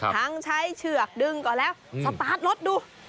ใช้เฉือกดึงก่อนแล้วสตาร์ทรถดู